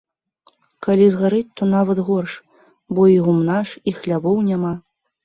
Калі згарыць, то нават горш, бо і гумна ж і хлявоў няма.